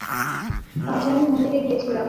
পাজানি মন্দিরে গিয়েছিলাম।